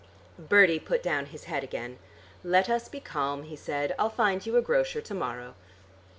Bertie put down his head again. "Let us be calm," he said. "I'll find you a grocer to morrow."